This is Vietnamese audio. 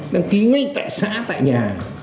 đăng ký ngay tại xã tại nhà